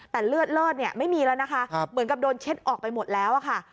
แต่เลือดเลิศเนี่ยไม่มีแล้วนะคะเหมือนกับโดนเช็ดออกไปหมดแล้วอะค่ะ